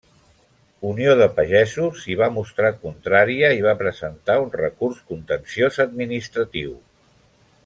Unió de Pagesos s'hi va mostrar contrària i va presentar un recurs contenciós administratiu.